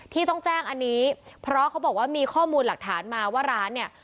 ที่ต้องแจ้งอันนี้เพราะเขาบอกว่ามีข้อมูลหลักฐานมาว่าร้านเนี่ย